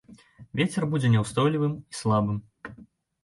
Вецер будзе няўстойлівым і слабым.